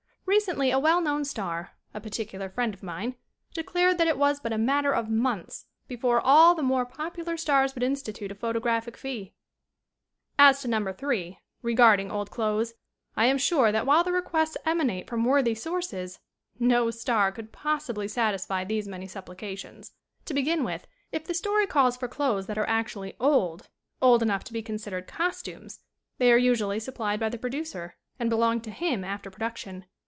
Recently a well known star, a particular friend of mine, declared that it was but a mat ter of months before all the more popular stars would institute a photographic fee. As to Number 3, regarding old clothes, I am sure that while the requests emanate from worthy sources no star could possibly satisfy these many supplications. To begin with if the story calls for clothes that are actually old old enough to be consid ered "costumes" they are usually supplied by the producer and belong to him after produc tion.